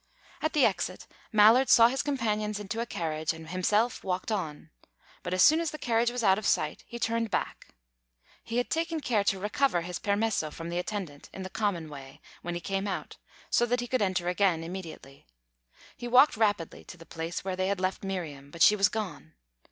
At the exit, Mallard saw his companions into a carriage, and himself walked on; but as soon as the carriage was out of sight, he turned back. He had taken care to recover his permesso from the attendant, in the common way, when he came out, so that he could enter again immediately. He walked rapidly to the place where they had left Miriam, but she was gone.